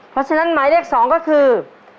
เพราะฉะนั้นหมายเลข๒ก็คือ